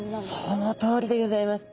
そのとおりでギョざいます。